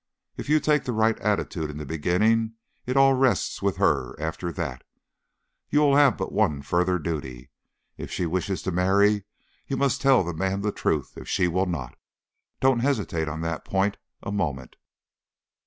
If you take the right attitude in the beginning, it all rests with her after that. You will have but one duty further. If she wishes to marry, you must tell the man the truth, if she will not. Don't hesitate on that point a moment.